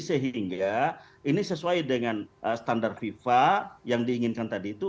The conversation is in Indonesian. sehingga ini sesuai dengan standar fifa yang diinginkan tadi itu